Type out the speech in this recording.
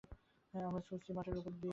আমরা ছুটছি মাঠের ওপর দিয়ে।